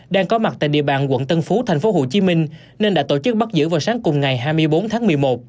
đang có mặt tại địa bàn quận tân phú tp hcm nên đã tổ chức bắt giữ vào sáng cùng ngày hai mươi bốn tháng một mươi một